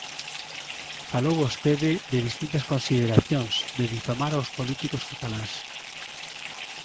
Falou vostede de distintas consideracións, de difamar aos políticos cataláns.